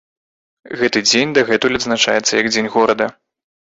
Гэты дзень дагэтуль адзначаецца як дзень горада.